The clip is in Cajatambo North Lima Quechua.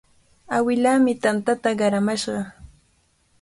Awilaami tantata qaramashqa.